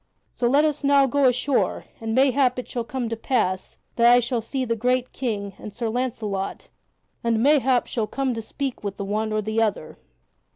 So let us now go ashore, and mayhap it shall come to pass that I shall see the great King and Sir Launcelot and mayhap shall come to speak with the one or the other."